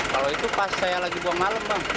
kalau itu pas saya lagi buang malem bang